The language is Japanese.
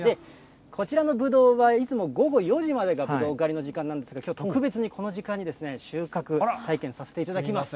こちらのぶどうはいつも午後４時までがぶどう狩りの時間なんですが、きょう、特別にこの時間に収穫体験させていただきます。